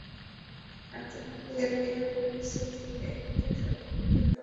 আর তোমাদের এয়ারবেস থেকে একটা সব রেডি হবার পর ফোন করবে।